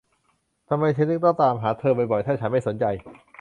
ทำไมฉันถึงต้องตามหาเธอบ่อย ๆ ถ้าฉันไม่สนใจ